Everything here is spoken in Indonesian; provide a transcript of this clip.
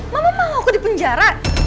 mama mau aku dipenjara